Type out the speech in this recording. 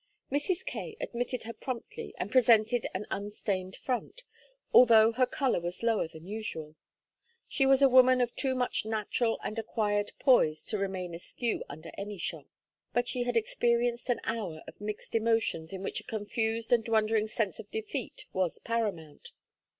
Mrs. Kaye admitted her promptly and presented an unstained front, although her color was lower than usual. She was a woman of too much natural and acquired poise to remain askew under any shock. But she had experienced an hour of mixed emotions in which a confused and wondering sense of defeat was paramount.